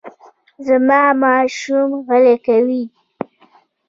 زه ماشوم غلی کوم.